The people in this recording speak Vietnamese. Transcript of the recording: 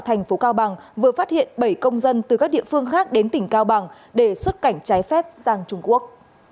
thành phố cao bằng vừa phát hiện bảy công dân từ các địa phương khác đến tỉnh cao bằng để xuất cảnh trái phép sang trung quốc